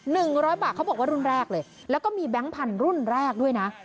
ร้อยบาทเขาบอกว่ารุ่นแรกเลยแล้วก็มีแบงค์พันธุ์รุ่นแรกด้วยนะ